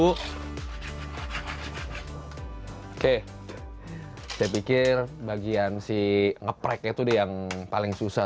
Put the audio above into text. oke saya pikir bagian si ngepreknya tuh yang paling susah